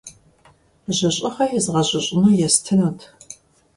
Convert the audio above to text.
Жьыщӏыгъэ езгъэжьыщӏыну естынут.